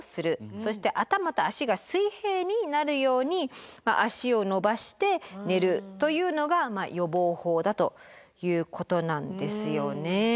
そして頭と脚が水平になるように脚を伸ばして寝るというのが予防法だということなんですよね。